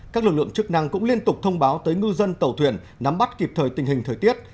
các lực lượng chức năng cũng liên tục thông báo tới ngư dân tàu thuyền nắm bắt kịp thời tình hình thời tiết